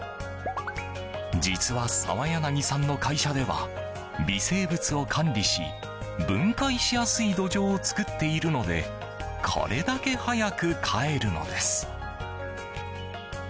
実は、澤柳さんの会社では微生物を管理し分解しやすい土壌を作っているのでこれだけ早くかえるのです。